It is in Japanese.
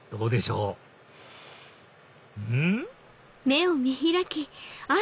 うん？